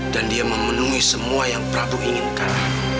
dan dia memenuhi semua yang prabu inginkan